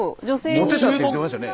モテたって言ってましたね。